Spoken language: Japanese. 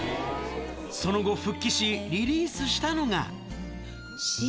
その後、復帰し、リリースしたのが。